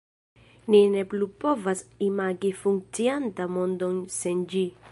Ni ne plu povas imagi funkciantan mondon sen ĝi.